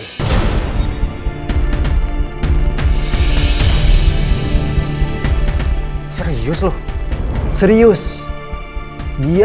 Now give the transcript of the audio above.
ah pastinya udah kacel udah vaksin